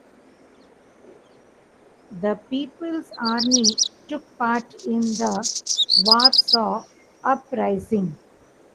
The People's Army took part in the Warsaw Uprising.